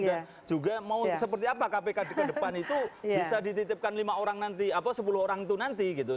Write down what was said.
dan juga mau seperti apa kpk kedepan itu bisa dititipkan lima orang nanti atau sepuluh orang itu nanti gitu